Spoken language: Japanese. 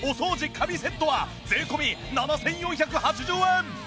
神セットは税込７４８０円。